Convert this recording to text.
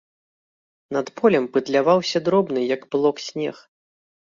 Над полем пытляваўся дробны, як пылок, снег.